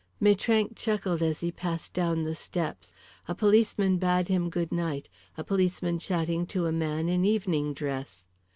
Maitrank chuckled as he passed down the steps. A policeman bade him goodnight, a policeman chatting to a man in evening dress.